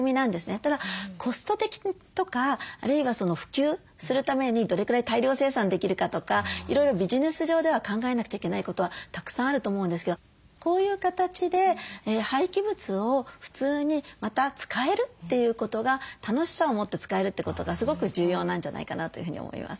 ただコスト的とかあるいは普及するためにどれくらい大量生産できるかとかいろいろビジネス上では考えなくちゃいけないことはたくさんあると思うんですけどこういう形で廃棄物を普通にまた使えるということが楽しさを持って使えるってことがすごく重要なんじゃないかなというふうに思います。